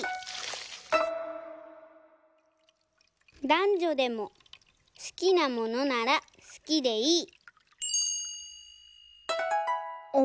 「だんじょでも好きなものなら好きでいい」。